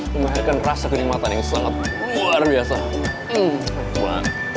membaharkan rasa kenyamatan yang sangat luar biasa